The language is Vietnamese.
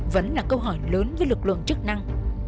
vẫn là câu hỏi lớn với lực lượng chức năng